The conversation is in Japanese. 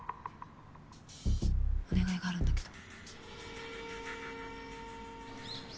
お願いがあるんだけど。